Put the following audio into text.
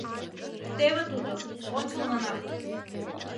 Теве тудо, ончылнынак: